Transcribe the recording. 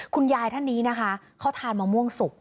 คุณยายท่านนี้นะคะเขาทานมะม่วงสุก